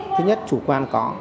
thứ nhất chủ quan có